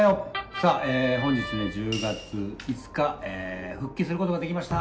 さあ、本日１０月５日、復帰することができました。